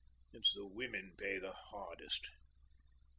it's the women pay the hardest.